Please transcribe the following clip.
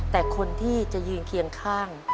แต่คนที่จะยืนเคียงข้าง